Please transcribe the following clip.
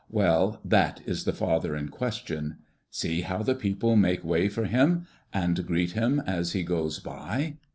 Well, that is the father in question. See how the people make way for him and greet him as he goes by!